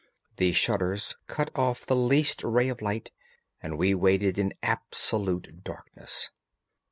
The shutters cut off the least ray of light, and we waited in absolute darkness.